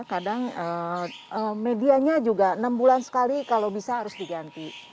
kadang medianya juga enam bulan sekali kalau bisa harus diganti